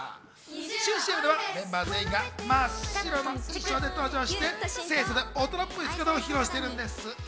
新ＣＭではメンバー全員が真っ白の印象で登場して清楚で大人っぽい姿を披露してるんです。